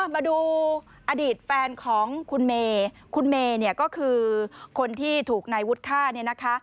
มาดูอดีตแฟนของคุณเมย์คุณเมย์เนี่ยก็คือคนที่ถูกนายวุฒิฆ่าเนี่ยนะคะ